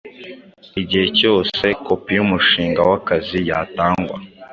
igihe cyose kopi yumushinga wakazi kazatangwa